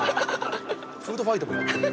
フードファイトもやってる。